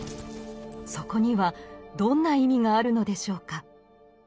そこにはどんな意味があるのでしょうか。